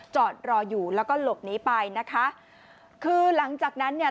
จอดรออยู่แล้วก็หลบหนีไปนะคะคือหลังจากนั้นเนี่ย